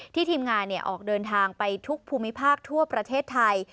ทีมงานออกเดินทางไปทุกภูมิภาคทั่วประเทศไทย